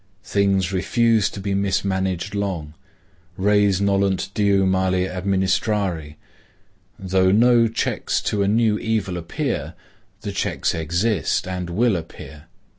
Things refuse to be mismanaged long. Res nolunt diu male administrari. Though no checks to a new evil appear, the checks exist, and will appear.